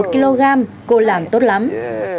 bốn một kg cô làm tốt lắm